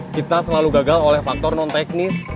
kita selalu gagal oleh faktor non teknis